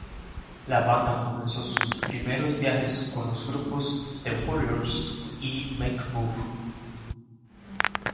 La banda comenzó sus primeros viajes con los grupos The Warriors y Make Move.